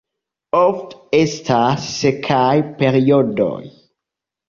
Ofte estas sekaj periodoj.